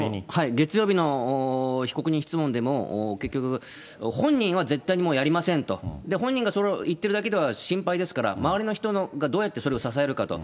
月曜日の被告人質問でも、結局、本人は絶対にもうやりませんと、本人がそれを言ってるだけでは心配ですから、周りの人がどうやってそれを支えるかと。